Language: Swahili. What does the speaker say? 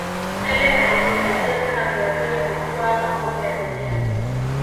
pele aliisaidia sana brazil kutwaa makombe ya dunia